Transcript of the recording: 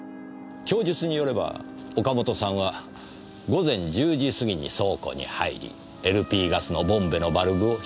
供述によれば岡本さんは午前１０時過ぎに倉庫に入りＬＰガスのボンベのバルブを開いた。